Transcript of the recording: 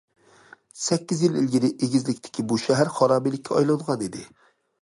سەككىز يىل ئىلگىرى ئېگىزلىكتىكى بۇ شەھەر خارابىلىككە ئايلانغان ئىدى.